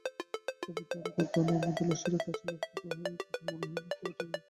তবে তাড়া করতে নামা দোলেশ্বরের কাছে লক্ষ্যটা কঠিন মনে হয়নি একটিবারের জন্যও।